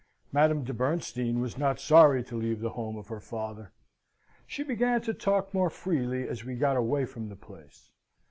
Madame de Bernstein was not sorry to leave the home of her father. She began to talk more freely as we got away from the place.